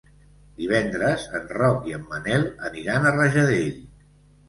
Divendres en Roc i en Manel aniran a Rajadell.